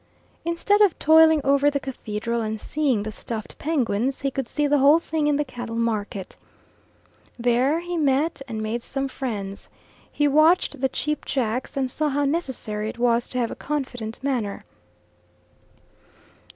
Instead of toiling over the Cathedral and seeing the stuffed penguins, he could stop the whole thing in the cattle market. There he met and made some friends. He watched the cheap jacks, and saw how necessary it was to have a confident manner.